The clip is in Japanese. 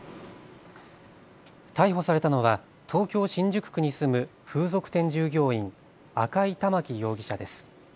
逮捕されたのは東京新宿区に住む風俗店従業員、赤井環容疑者です。